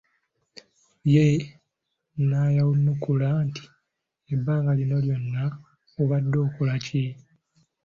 Ye n'ayanukula nti ebbanga lino lyonna obadde okola ki !